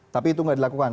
tapi itu nggak dilakukan